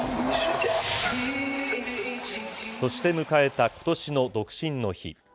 そして迎えたことしの独身の日。